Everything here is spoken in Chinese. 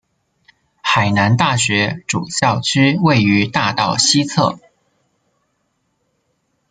海南大学主校区位于大道西侧。